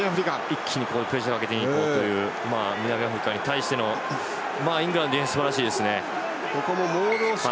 一気にプレッシャーをかけていこうという南アフリカに対してのイングランドのディフェンスすばらしいですね。